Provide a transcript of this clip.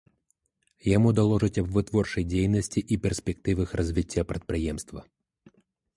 Яму даложаць аб вытворчай дзейнасці і перспектывах развіцця прадпрыемства.